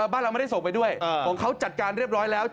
บ้านเราไม่ได้ส่งไปด้วยของเขาจัดการเรียบร้อยแล้ว